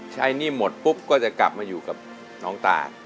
หนี้หมดปุ๊บก็จะกลับมาอยู่กับน้องตา